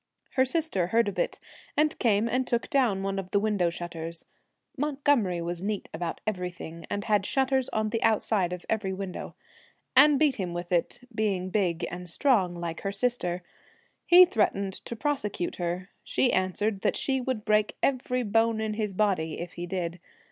Her sister heard of it, and came and took down one of the window shutters 27 The — Montgomery was neat about everything, Twilight, and had shutters on the outside of every window — and beat him with it, being big and strong like her sister. He threatened to prosecute her ; she answered that she would break every bone in his body if he did.